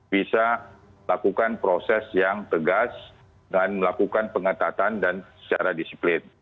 bisa lakukan proses yang tegas dengan melakukan pengetatan dan secara disiplin